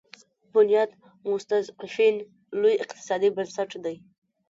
بنیاد مستضعفین لوی اقتصادي بنسټ دی.